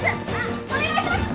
お願いします！